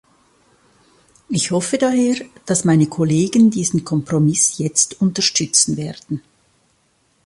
Ich hoffe daher, dass meine Kollegen diesen Kompromiss jetzt unterstützen werden.